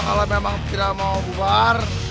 kalau memang tidak mau bubar